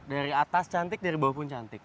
dari atas cantik dari bawah pun cantik